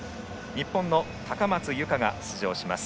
日本の高松佑圭が出場します。